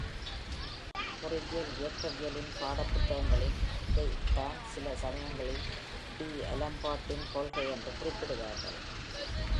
பொறியியல் இயக்கவியலின் பாட புத்தகங்களில், இதைத்தான் சில சமயங்களில் "டி’ஆலம்பர்ட்டின் கொள்கை" என்று குறிப்பிடுவார்கள்.